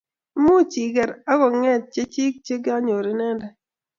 imuchi iger ak kongek chechik che konyor inendet